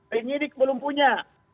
penyidik belum punya